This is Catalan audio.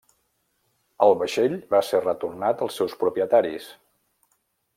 El vaixell va ser retornat als seus propietaris.